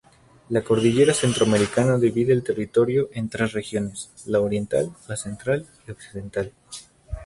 La Cordillera Centroamericana divide al territorio en tres regiones: La Oriental, Central y Occidental.